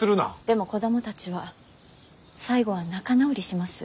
でも子供たちは最後は仲直りします。